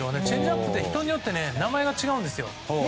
チェンジアップって人によって名前が違うんですよ。